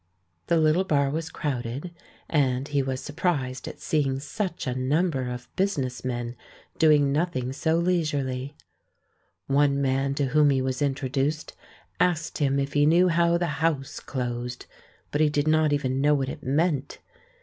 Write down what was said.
The little bar was crowded, and he was sur prised at seeing such a number of business men doing nothing so leisurely. One man to whom he was introduced asked him if he knew how the "House" closed, but he did not even know what it meant.